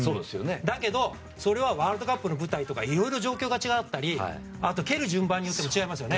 だけど、それはワールドカップの舞台とかいろいろ状況が違かったりあと、蹴る順番によっても違いますよね。